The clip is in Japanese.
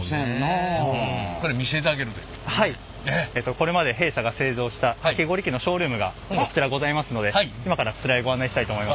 これまで弊社が製造したかき氷機のショールームがこちらございますので今からそちらへご案内したいと思います。